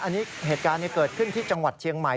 อันนี้เหตุการณ์เกิดขึ้นที่จังหวัดเชียงใหม่